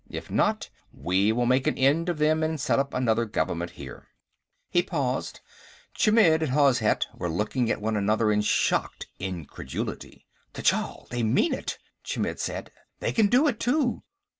If not, we will make an end of them and set up a new government here." He paused. Chmidd and Hozhet were looking at one another in shocked incredulity. "Tchall, they mean it," Chmidd said. "They can do it, too."